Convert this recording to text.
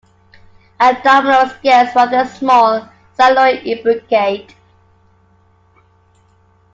Abdominal scales rather small, cycloid, imbricate.